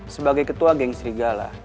sebagai ketua geng serigala